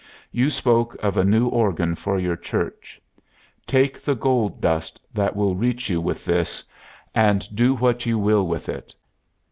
You spoke of a new organ for your church. Take the gold dust that will reach you with this, and do what you will with it.